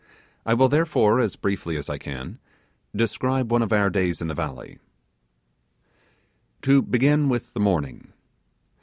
I will, therefore, as briefly as I can, describe one of our days in the valley. To begin with the morning.